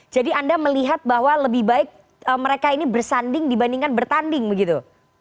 jadi anda melihat bahwa lebih baik mereka ini bersanding dibandingkan bertanding begitu